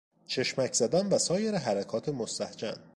چشمک زدن و سایر حرکات مستهجن